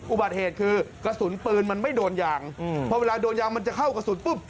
อุบัติเหตุคือกระสุนปืนมันไม่โดนยางพอเวลาโดนยางมันจะเข้ากระสุนปุ๊บ